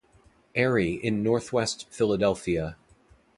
Airy in Northwest Philadelphia.